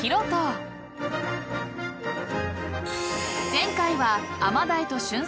［前回は］